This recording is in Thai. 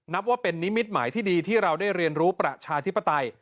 นับว่าเป็นนิมิตหมายที่ดีที่เราได้เรียนรู้ประชาธิปไตย